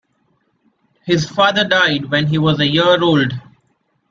His father died when he was a year old.